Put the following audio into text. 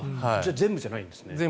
全部じゃないですね。